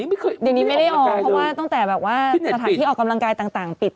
เดี๋ยวนี้ไม่ได้ออกเพราะว่าตั้งแต่แบบว่าสถานที่ออกกำลังกายต่างปิด